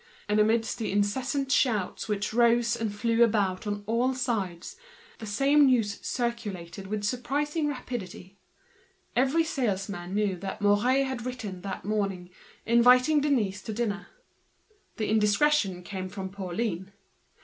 And amidst the cries incessantly raised, crossing each other on all sides, the same news was circulating with surprising rapidity: every salesman knew that Mouret had written that morning inviting Denise to dinner. The indiscretion came from Pauline.